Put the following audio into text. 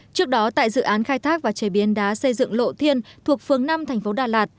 trước đó tại dự án khai thác và chế biến đá xây dựng lộ thiên thuộc phường năm tp đà lạt